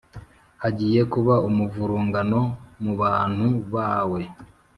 hagiye kuba umuvurungano mu bantu bawe,